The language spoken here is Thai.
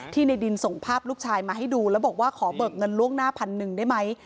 ในดินส่งภาพลูกชายมาให้ดูแล้วบอกว่าขอเบิกเงินล่วงหน้าพันหนึ่งได้ไหม